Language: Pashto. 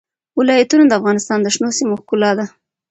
ولایتونه د افغانستان د شنو سیمو ښکلا ده.